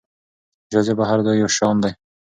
جاذبه هر ځای يو شان نه ده.